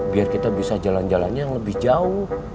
biar kita bisa jalan jalannya yang lebih jauh